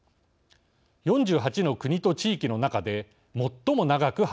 ４８の国と地域の中で最も長く働いています。